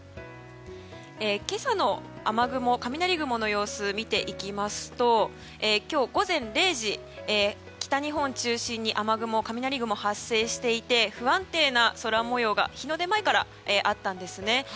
今朝の雨雲、雷雲の様子を見ていきますと今日午前０時、北日本を中心に雨雲や雷雲が発生していて不安定な空模様が日の出前からあったんですね。